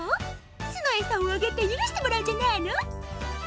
すのエサをあげてゆるしてもらうんじゃないの？